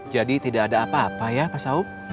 jadi tidak ada apa apa ya pak saub